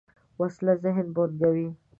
وسله ذهن بوږنوې